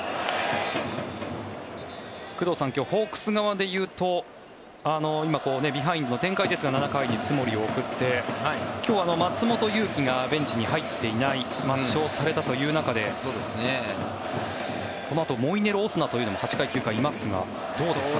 工藤さん、今日ホークス側でいうと今、ビハインドの展開ですが７回に津森を送って今日は松本裕樹がベンチに入っていない抹消されたという中でこのあとモイネロ、オスナというのも８回、９回いますがどうですか？